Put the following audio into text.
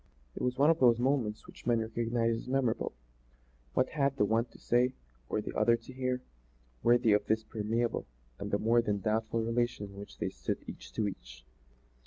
It was one of those moments which men recognise as memorable. What had the one to say or the other to hear, worthy of this preamble and the more than doubtful relation in which they stood each to each?